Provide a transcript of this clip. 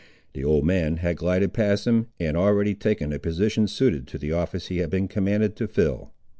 The old man had glided past him, and already taken a position suited to the office he had been commanded to fill.